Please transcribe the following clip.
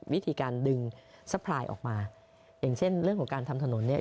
วิธีการดึงซัพพลายออกมาอย่างเช่นเรื่องของการทำถนนเนี่ย